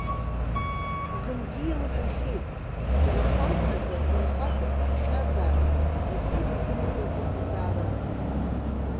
Зынгьы илҳәахьеит, сара сакәымзар, бара хаҵа бцахьазаарын, насыԥ быманы быҟазаарын ҳәа.